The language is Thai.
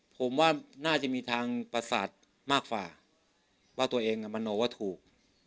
ผมว่าน่าจะมีทางประสาทมากกว่าว่าตัวเองมโนว่าถูก